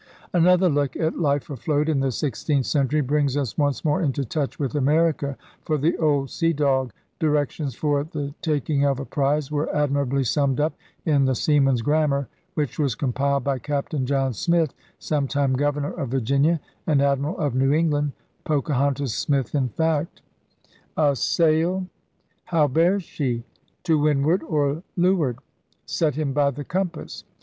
Another look at life afloat in the sixteenth century brings us once more into touch with America; for the old sea dog directions for the TAKYNG OF A PRIZE wcrc admirably summed up in The Seaman's Grammar, which was compiled by *Captaine John Smith, sometime Governour of Virginia and Admiral of New England' — 'Pocahontas Smith,' in fact. 'A sail!' *How bears she? To wind ward or lee ward? Set him by the compass!'